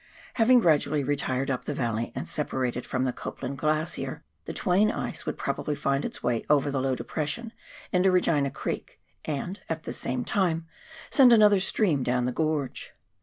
Having gradually retired up the valley, and separated from the Copland Glacier, the Twain ice would probably find its way over the low depression into Regina Creek, and, at the same time, send another stream down the gorge.